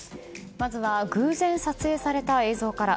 まずは偶然撮影された映像から。